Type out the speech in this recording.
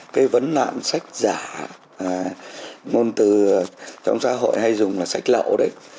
cái vấn nạn sách giả ngôn từ trong xã hội hay dùng là sách lậu đấy